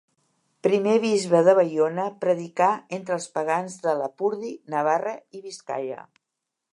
Primer bisbe de Baiona, predicà entre els pagans de Lapurdi, Navarra i Biscaia.